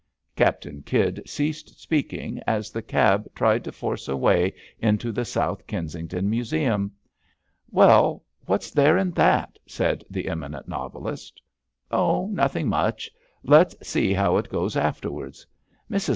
'^ Captain Kydd ceased speaking as the cab tried to force a way into the South Kensington Museum. Well, what's there in that? " said the eminent novelist. Oh, nothing much. Let's see how it goes afterwards. Mrs.